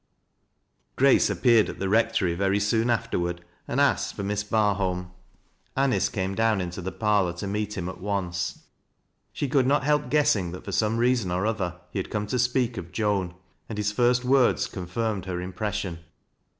Grace appeared at the rectory very soon afterward, and asked for Miss Barholm. Anice came down into the par loi to meet him at once. She could not help guessing Hiat foi some reason or other he had come to speak of Joan, and his first words confirmed her impression.